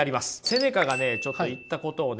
セネカがねちょっと言ったことをね